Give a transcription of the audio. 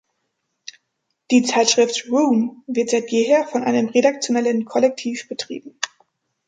Die Zeitschrift Room wird seit jeher von einem redaktionellen Kollektiv betrieben.